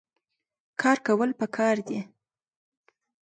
کار کول پکار دي